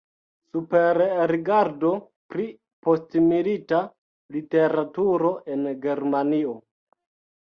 Superrigardo pri postmilita literaturo en Germanio.